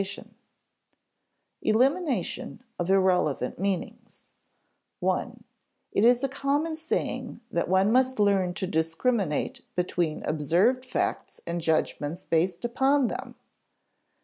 [Sidenote: Elimination of irrelevant meanings] (1) It is a common saying that one must learn to discriminate between observed facts and judgments based upon them.